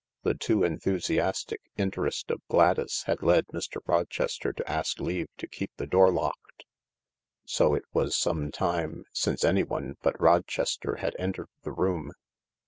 The too enthusiastic interest of Gladys had led Mr. Rochester to ask leave to keep the door locked, so it was some time since anyone but Rochester had entered the room.